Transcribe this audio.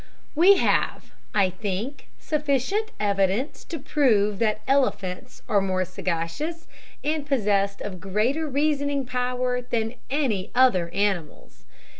We have, I think, sufficient evidence to prove that elephants are more sagacious, and possessed of greater reasoning power, than any other animals.